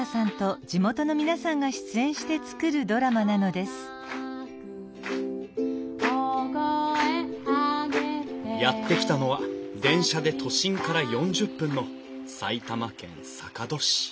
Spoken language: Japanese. では改めましてやって来たのは電車で都心から４０分の埼玉県坂戸市。